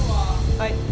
はい。